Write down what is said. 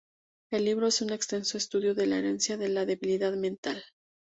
El libro es un extenso estudio de la herencia de la "debilidad mental".